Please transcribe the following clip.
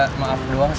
tanda maaf luang